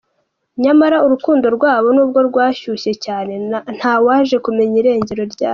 Nyamara urukundo rwabo n’ubwo rwashyushye cyane, ntawaje kumenya irengero ryarwo.